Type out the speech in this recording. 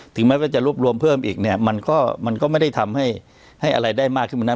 แม้ว่าจะรวบรวมเพิ่มอีกเนี่ยมันก็ไม่ได้ทำให้อะไรได้มากขึ้นมานะ